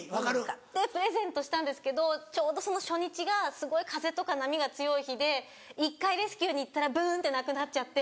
買ってプレゼントしたんですけどちょうどその初日がすごい風とか波が強い日で一回レスキューに行ったらブンってなくなっちゃって。